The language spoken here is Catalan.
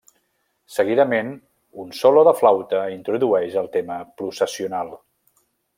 Seguidament un solo de flauta introdueix el tema processional.